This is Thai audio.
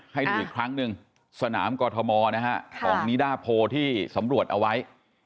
ให้ดูอีกครั้งหนึ่งสนามกอทมนะฮะของนิดาโพที่สำรวจเอาไว้